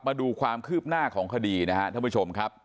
มาดูความคืบหน้าของคดีนะครับท่านผู้ชมครับ